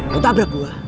lu tabrak gua